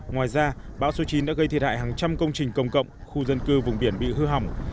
ngoài ra bão số chín đã gây thiệt hại hàng trăm công trình công cộng khu dân cư vùng biển bị hư hỏng